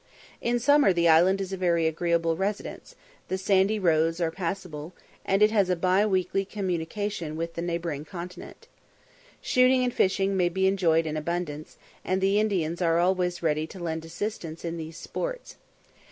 In summer, the island is a very agreeable residence; the sandy roads are passable, and it has a bi weekly communication with the neighbouring continent. Shooting and fishing may be enjoyed in abundance, and the Indians are always ready to lend assistance in these sports.